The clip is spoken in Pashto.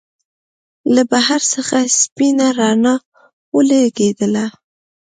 له بهر څخه سپينه رڼا ولګېدله.